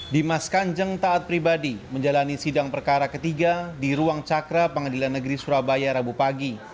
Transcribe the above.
dimas kanjeng taat pribadi menjalani sidang perkara ketiga di ruang cakra pengadilan negeri surabaya rabu pagi